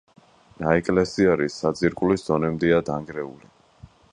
ნაეკლესიარი საძირკვლის დონემდეა დანგრეული.